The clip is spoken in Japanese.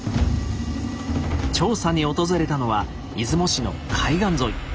調査に訪れたのは出雲市の海岸沿い。